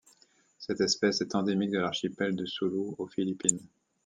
Cette espèce est endémique de l'archipel de Sulu aux Philippines.